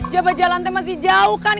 jabajalan teh masih jauh kan